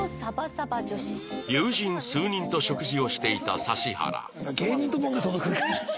友人数人と食事をしていた指原